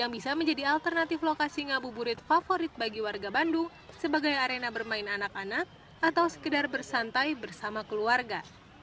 yang bisa menjadi alternatif lokasi ngabuburit favorit bagi warga bandung sebagai arena bermain anak anak atau sekedar bersantai bersama keluarga